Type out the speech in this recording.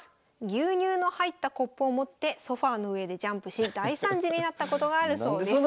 牛乳の入ったコップを持ってソファーの上でジャンプし大惨事になったことがあるそうです。